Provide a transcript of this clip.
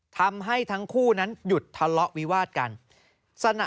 ทำให้ทั้งคู่นั้นหยุดทะเลาะวิวาดกัน